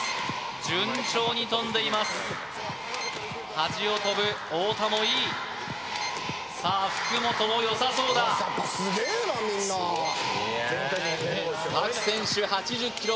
順調に跳んでいます端を跳ぶ太田もいいさあ福本もよさそうだやっぱすげえなみんな各選手８０ｋｇ